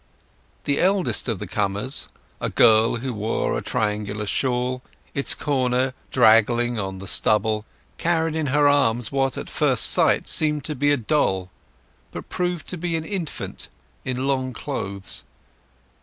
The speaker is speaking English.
The eldest of the comers, a girl who wore a triangular shawl, its corner draggling on the stubble, carried in her arms what at first sight seemed to be a doll, but proved to be an infant in long clothes.